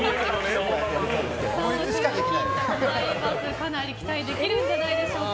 かなり期待できるんじゃないでしょうか。